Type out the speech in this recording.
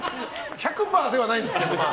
１００％ではないんですけど。